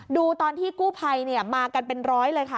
ดูตอนที่กู้ภัยมากันเป็นร้อยเลยค่ะ